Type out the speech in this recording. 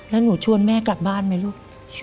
แล้วหนูชวนแม่กลับบ้านไหมลูก